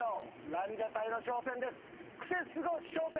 ランジャタイの挑戦です。